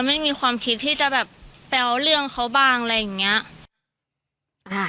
ไม่มีความคิดที่จะแบบแปลวเรื่องเขาบ้างอะไรอย่างนี้